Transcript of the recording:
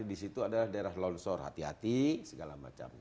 jadi di situ adalah daerah longshore hati hati segala macamnya